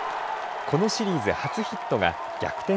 このシリーズ初ヒットが逆転